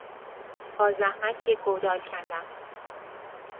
با زحمت یک گودال کندم.